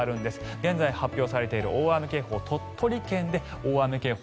現在、発表されている大雨警報鳥取県で大雨警報。